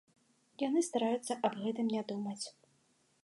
Яны стараюцца аб гэтым не думаць.